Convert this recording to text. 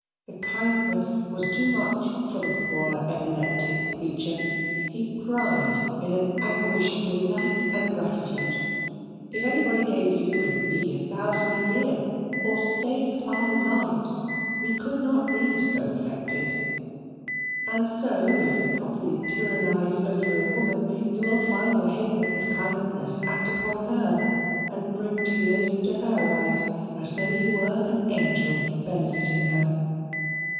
The kindness was too much for the poor epileptic creature. He cried in an anguish of delight and gratitude: if anybody gave you and me a thousand a year, or saved our lives, we could not be so affected. And so, if you properly tyrannize over a woman, you will find a ha'p'orth of kindness act upon her and bring tears into her eyes, as though you were an angel benefiting her.